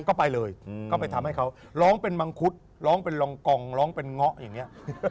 ก็ไปเลยก็ไปทำให้เขาร้องเป็นมังคุดร้องเป็นรองกองร้องเป็นเงาะอย่างนี้